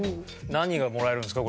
何がもらえるんですか？